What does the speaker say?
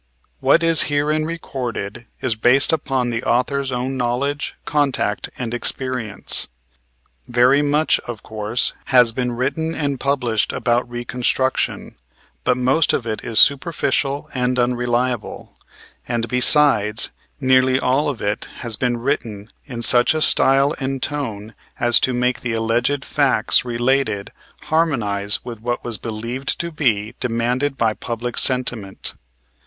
What is herein recorded is based upon the author's own knowledge, contact and experience. Very much, of course, has been written and published about reconstruction, but most of it is superficial and unreliable; and, besides, nearly all of it has been written in such a style and tone as to make the alleged facts related harmonize with what was believed to be demanded by public sentiment.